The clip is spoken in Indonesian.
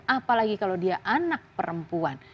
apalagi kalau dia anak perempuan